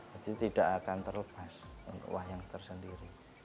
jadi tidak akan terlepas untuk wayang tersendiri